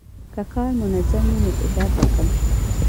که کار منظم وي، نو فشار به کم شي.